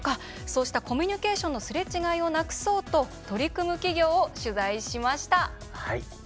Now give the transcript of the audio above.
そうしたコミュニケーションのすれ違いをなくそうと取り組む企業を取材しました。